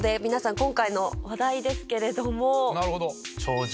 今回の話題ですけれども。